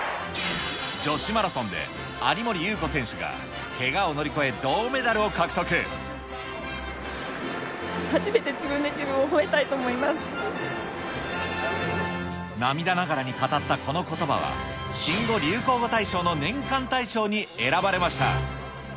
女子マラソンで、有森裕子選手がけがを乗り越え、銅メダルを初めて自分で自分を褒めたい涙ながらに語ったこのことばは、新語・流行語大賞の年間大賞に選ばれました。